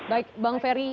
baik bang ferry